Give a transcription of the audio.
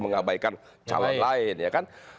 mengabaikan calon lain